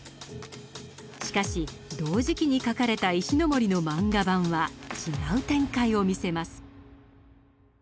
しかし同時期に描かれた石森の漫画版は違う展開を見せます。